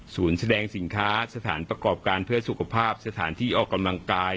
แสดงสินค้าสถานประกอบการเพื่อสุขภาพสถานที่ออกกำลังกาย